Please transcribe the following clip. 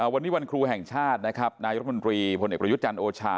วันนี้วันครูแห่งชาตินะครับนายรัฐมนตรีพลเอกประยุทธ์จันทร์โอชา